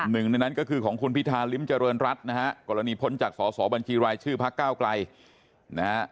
หนึ่งในนั้นก็คือของคุณพิธาริมเจริญรัฐนะฮะกรณีพ้นจากสอสอบัญชีรายชื่อพักเก้าไกลนะฮะ